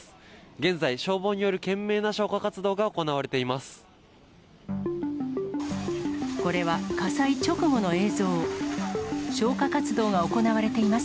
現在、消防による懸命な消火活動が行われています。